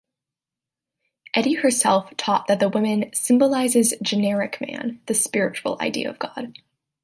Eddy herself taught that the woman "symbolizes generic man, the spiritual idea of God".